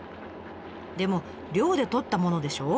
でも漁でとったものでしょ？